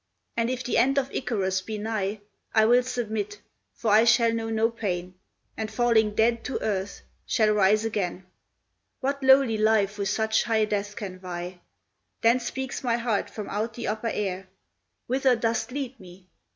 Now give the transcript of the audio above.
And if the end of Ikaros be nigh, I will submit, for I shall know no pain: And falling dead to earth, shall rise again; What lowly life with such high death can vie? Then speaks my heart from out the upper air, "Whither dost lead me?